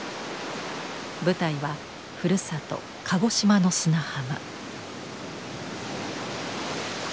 舞台はふるさと鹿児島の砂浜。